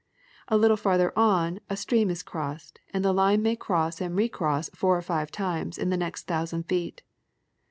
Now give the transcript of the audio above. A little farther on a stream is crossed, and the line may cross and recross four or five times in the next thousand feet.